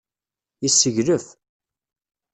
Yesseglef.